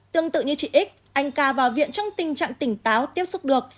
tương tự như chị x anh ca vào viện trong tình trạng tỉnh táo tiếp xúc được